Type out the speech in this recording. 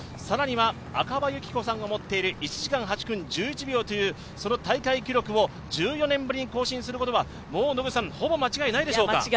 更には赤羽有紀子さんが持っている１時間８分１１秒というその大会記録を１４年ぶりに更新することはもう、ほぼ間違いないでしょうか。